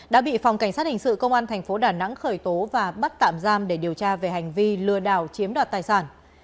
đã bị phòng cảnh sát hình sự công an thành phố đà nẵng khởi tố và bắt tạm giam để điều tra về hành vi lừa đảo chiếm đoạt tài sản